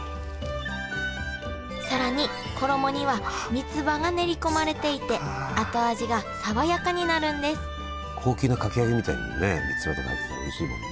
更に衣には三葉が練り込まれていて後味が爽やかになるんです高級なかき揚げみたいにね三葉とか入ってたらおいしいもん。